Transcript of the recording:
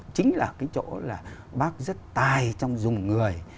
chính là cái chỗ là bác rất tài trong dùng người